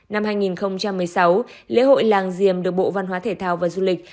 năm hai nghìn một mươi sáu lễ hội làng diềm được bộ văn hóa thể thao và du lịch